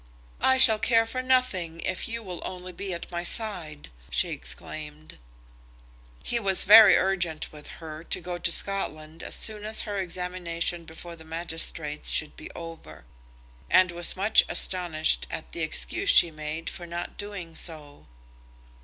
"I shall care for nothing if you will only be at my side," she exclaimed. He was very urgent with her to go to Scotland as soon as her examination before the magistrates should be over, and was much astonished at the excuse she made for not doing so.